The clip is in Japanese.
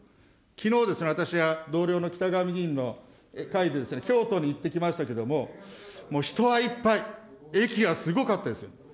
きのうですね、私は同僚のきたがわ議員の京都に行ってきましたけれども、もう人はいっぱい、駅はすごかったですよ。